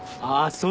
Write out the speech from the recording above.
そう。